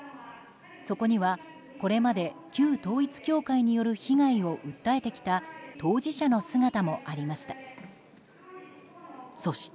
そこにはこれまで旧統一教会による被害を訴えてきた当事者の姿もありました。